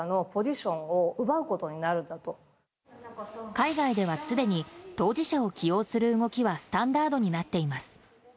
海外では、すでに当事者を起用する動きはスタンダードになっています。